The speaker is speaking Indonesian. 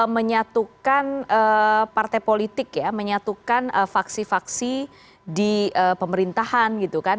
menyatukan partai politik ya menyatukan faksi faksi di pemerintahan gitu kan